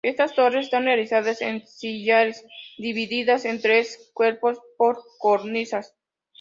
Estas torres están realizadas en sillares, divididas en tres cuerpos por cornisas.